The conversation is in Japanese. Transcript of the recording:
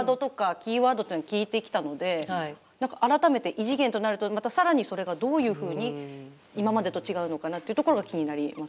キーワードというのは聞いてきたので改めて異次元となるとまたさらにそれがどういうふうに今までと違うのかなというところが気になりますよね。